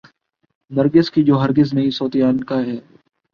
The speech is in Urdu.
نرگس کی جو ہرگز نہیں سوتیعنقا ہے۔